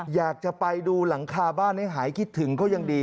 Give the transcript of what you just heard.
อยากจะไปดูหลังคาบ้านให้หายคิดถึงก็ยังดี